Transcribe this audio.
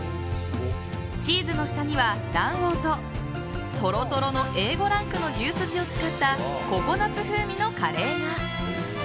チーズの下には卵黄とトロトロのＡ５ランクの牛すじを使ったココナツ風味のカレーが。